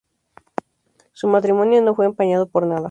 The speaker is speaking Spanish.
Su matrimonio no fue empañado por nada.